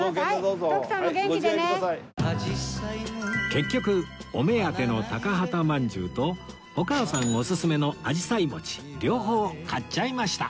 結局お目当ての高幡まんじゅうとお母さんオススメのあじさい餅両方買っちゃいました